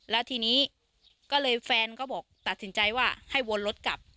แล้วทีนี้ก็เลยแฟนก็บอกตัดสินใจว่าให้วนรถกลับ